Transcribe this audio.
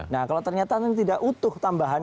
nah kalau ternyata ini tidak utuh tambahan